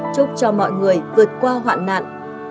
chúc cho mọi người vượt qua hoạn nạn